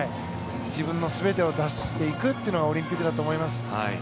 自分の全てを出していくというのがオリンピックだと思います。